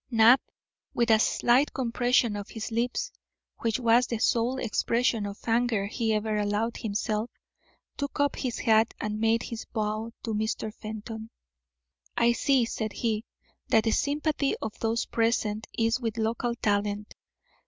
Knapp, with a slight compression of his lips, which was the sole expression of anger he ever allowed himself, took up his hat and made his bow to Mr. Fenton. "I see," said he, "that the sympathy of those present is with local talent.